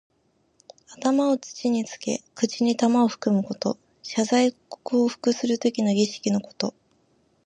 頭を土につけ、口に玉をふくむこと。謝罪降伏するときの儀式のこと。